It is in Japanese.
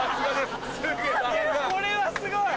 これはすごい！